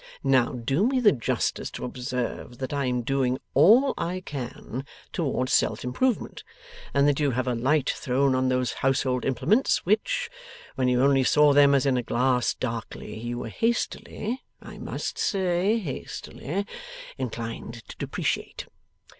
Now do me the justice to observe that I am doing all I can towards self improvement, and that you have a light thrown on those household implements which, when you only saw them as in a glass darkly, you were hastily I must say hastily inclined to depreciate.